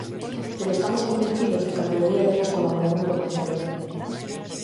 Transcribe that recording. Pero estamos convencidos de que a maioría delas colaboraron por vontade propia.